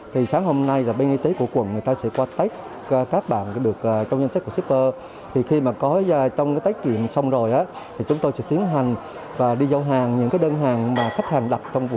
thì chúng tôi sẽ soạn hàng và khi đề bài trả giao cho những nhân viên của khách hàng